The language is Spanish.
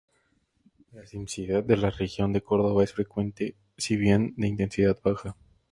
La sismicidad de la región de Córdoba es frecuente si bien de intensidad baja.